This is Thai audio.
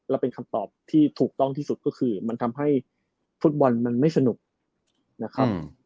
และเป็นคำตอบที่ถูกต้องที่สุดก็คือมันทำให้ฟุตบอลมันไม่สนุกนะครับ